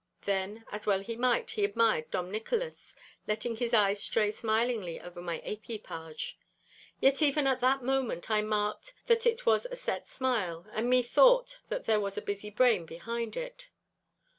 Then, as well he might, he admired Dom Nicholas, letting his eyes stray smilingly over my equipage. Yet even at that moment I marked that it was a set smile, and methought that there was a busy brain behind it.